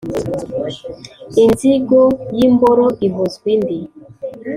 inzigo y’imboro ihozwa indi